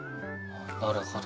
なるほど。